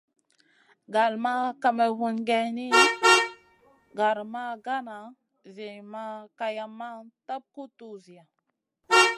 Gal ma kamerun géyn gara ma gana Zi ma kayamma tap guʼ tuwziya.